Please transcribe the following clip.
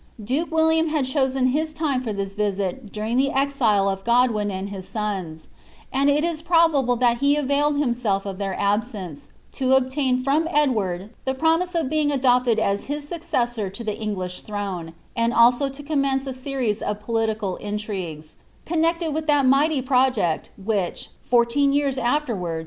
'' Duke William had chosen his time for this visit during the exile of Godwin and his sons ; and it is probable that he availed himself of their absence, to obtain from Edward the promise of being adopted as his successor to the English tlirone, and also to commence a series of political intrigues, connected witli that miglity project, which, fourteen years aflerward